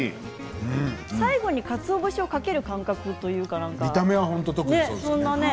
最後にかつお節をかける感覚というかね。